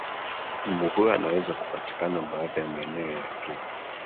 mbu huyo anaweza kupatikana baadhi ya maeneo ya afrika